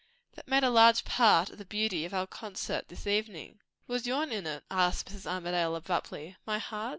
"That made a large part of the beauty of our concert this evening." "Was your'n in it?" asked Mrs. Armadale abruptly. "My heart?